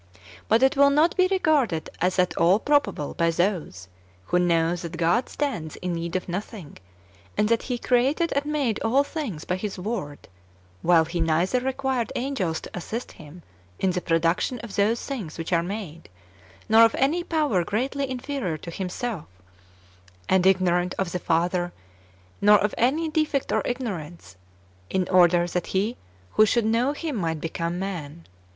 But it will not be regarded as at all probable by those who know that God stands in need of nothing, and that He created and made all things by His Word, while He neither required angels to assist Him in the production of those things which are made, nor of any power greatly inferior to Himself, and ignorant of the Father, nor of any defect or ignorance, in order that he who should know Him mlMit become man."